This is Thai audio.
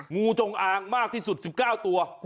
งูจงอางมากที่สุด๑๙ตัว